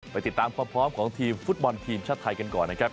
ไปติดตามความพร้อมของทีมฟุตบอลทีมชาติไทยกันก่อนนะครับ